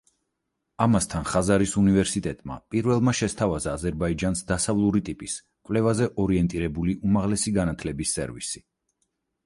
ამასთან, ხაზარის უნივერსიტეტმა პირველმა შესთავაზა აზერბაიჯანს დასავლური ტიპის, კვლევაზე ორიენტირებული უმაღლესი განათლების სერვისი.